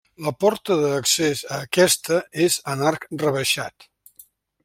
La porta d'accés a aquesta és en arc rebaixat.